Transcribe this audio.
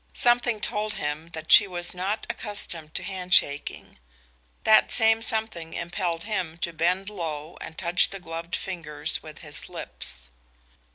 Something told him that she was not accustomed to handshaking; that same something impelled him to bend low and touch the gloved fingers with his lips.